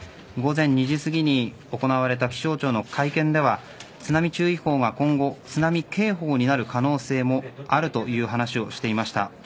午前２時すぎに行われた気象庁の会見では津波注意報が今後津波警報になる可能性もあるという話をしていました。